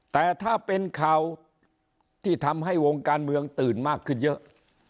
แต่ถ้าเป็นข่าวที่ทำให้วงการเมืองตื่นมากขึ้นเยอะ